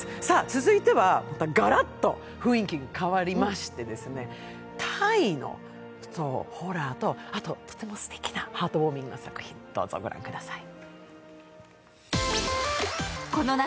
続いてはまた、ガラッと雰囲気が変わりまして、タイのホラーと、とてもすてきなハートウォーミングな作品、御覧ください。